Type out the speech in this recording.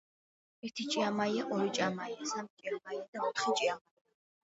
ერთი ჭიამაია, ორი ჭიამაია, სამი ჭიამაია და ოთხი ჭიამაია.